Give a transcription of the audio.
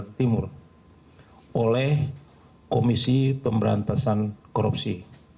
jakarta timur oleh komisi pemberantasan korupsi